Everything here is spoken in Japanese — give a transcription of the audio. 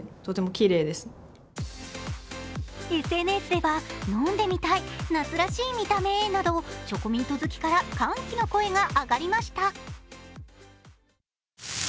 ＳＮＳでは、飲んでみたい、夏らしい見た目などチョコミント好きから歓喜の声が上がりました。